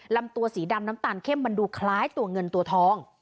ลำตัวสีดำน้ำตาลเข้มมันดูคล้ายตัวเงินตัวทอง